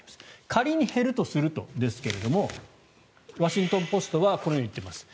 仮に減るとするとですがワシントン・ポストはこのように言っています。